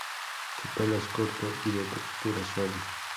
Su pelo es corto y de textura suave.